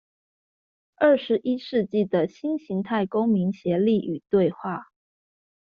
二十一世紀的新型態公民協力與對話